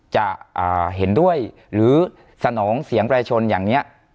จะอ่าเห็นด้วยหรือสนองเสียงแปรชนอย่างเนี้ย